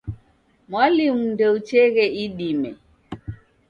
Mwalimu ndeucheghe idime.